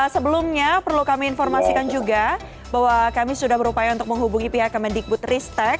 sebelumnya perlu kami informasikan juga bahwa kami sudah berupaya untuk menghubungi pihak kemendikbud ristek